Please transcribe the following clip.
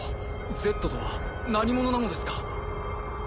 Ｚとは何者なのですか？